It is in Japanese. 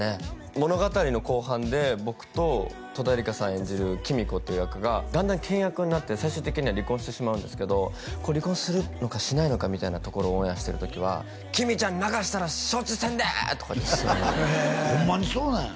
物語の後半で僕と戸田恵梨香さん演じる喜美子って役がだんだん険悪になって最終的には離婚してしまうんですけど離婚するのかしないのかみたいなところをオンエアしてる時は「喜美ちゃん泣かしたら承知せんで！」とかってへえホンマにそうなんや？